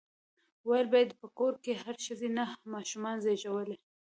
ويل به يې په کور کې هرې ښځې نهه ماشومان زيږولي.